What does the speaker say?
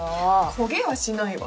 焦げはしないわ。